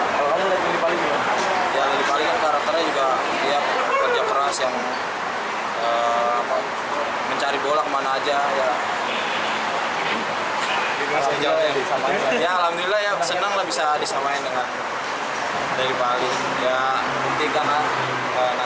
kurnia mega fahrudin bayu pradana irfan bahdim dan adam alis yang dipanggil satu hari jelang ke kamboja